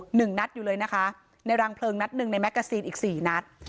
หนึ่งนัดอยู่เลยนะคะในรังเพลิงนัดหนึ่งในแกซีนอีกสี่นัด